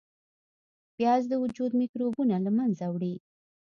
پیاز د وجود میکروبونه له منځه وړي